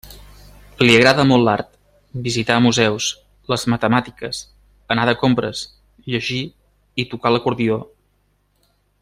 Li agrada molt l'art, visitar museus, les matemàtiques, anar de compres, llegir i tocar l'acordió.